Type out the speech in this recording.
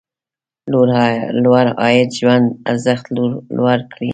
لوړ عاید ژوند ارزښت لوړ کړي.